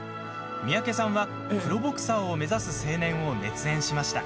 三宅さんはプロボクサーを目指す青年を熱演しました。